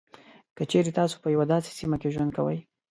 که چېري تاسو په یوه داسې سیمه کې ژوند کوئ.